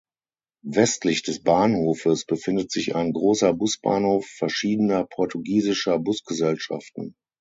Westlich des Bahnhofes befindet sich ein großer Busbahnhof verschiedener portugiesischer Busgesellschaften.